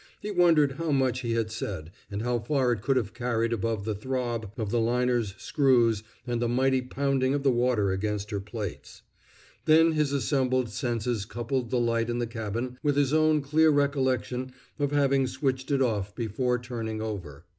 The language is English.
He wondered how much he had said, and how far it could have carried above the throb of the liner's screws and the mighty pounding of the water against her plates. Then his assembling senses coupled the light in the cabin with his own clear recollection of having switched it off before turning over.